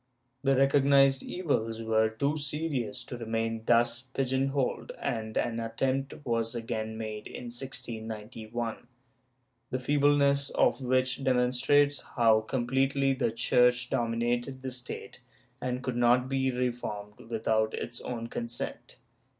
The recognized evils were too serious to remain thus pigeon holed, and an attempt was again made in 1691, the feebleness of which demonstrates how com pletely the Church dominated the State and could not be reformed without its own consent.